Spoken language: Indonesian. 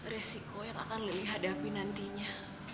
resiko yang akan lili hadapi nantinya